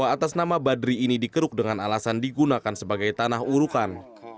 lahan yang disewa atas nama badri ini dikeruk dengan alasan digunakan sebagai tanah urukan